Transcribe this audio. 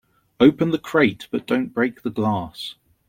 Open the crate but don't break the glass.